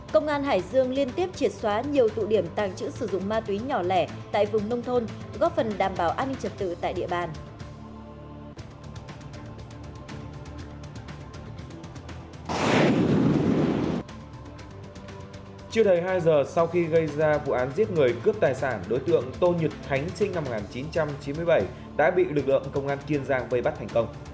công an hải dương liên tiếp triệt xóa nhiều tụ điểm tàng trữ sử dụng ma túy nhỏ lẻ tại vùng nông thôn góp phần đảm bảo an ninh trật tự tại địa bàn